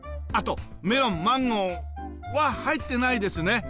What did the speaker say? あとメロンマンゴーは入ってないですね。